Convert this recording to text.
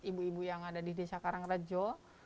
ibu ibu yang ada di desa karangrejo